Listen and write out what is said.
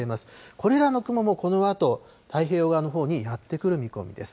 これらの雲もこのあと、太平洋側のほうにやって来る見込みです。